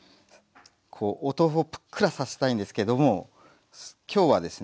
お豆腐をぷっくらさせたいんですけども今日はですね